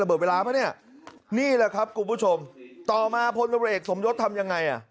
เบิดเวลาป่ะเนี่ยนี่แหละครับคุณผู้ชมต่อมาพลตำรวจเอกสมยศทำยังไงอ่ะ